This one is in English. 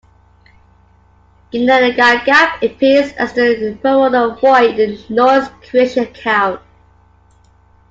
Ginnungagap appears as the primordial void in the Norse creation account.